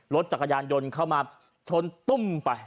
รถจักรยานยนต์เข้ามาชนตุ้มไป